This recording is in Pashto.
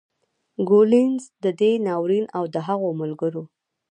کولینز د دې ناورین او د هغو ملګرو